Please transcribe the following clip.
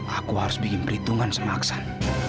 aku harus bikin perhitungan sama aksan